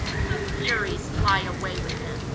"The furies fly away with them